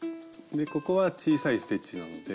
でここは小さいステッチなので。